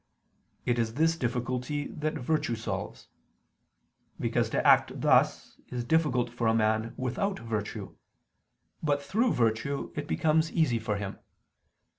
It is this difficulty that virtue solves: because to act thus is difficult for a man without virtue: but through virtue it becomes easy for him.